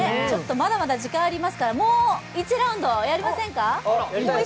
まだまだ時間ありますからもう１ラウンドいきませんか？